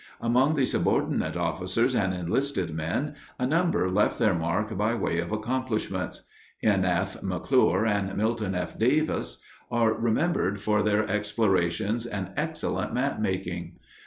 Among the subordinate officers and enlisted men a number left their mark by way of accomplishments. N. F. McClure and Milton F. Davis are remembered for their explorations and excellent map making.